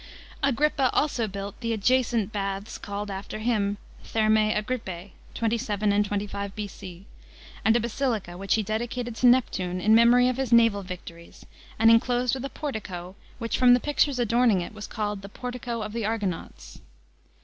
f Agrippa also built the adjacent bathfe called after him, Thermae Agrippse (27 and 25 B.C.), and a basilica, which he dedicated to Neptune in memory of his naval victories, and enclosed with a portico which from the pictures adorning it was called the Portico of the Argonauts.